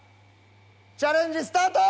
チャレンジスタート！